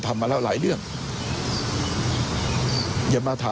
ก่อนกันแล้วต่อ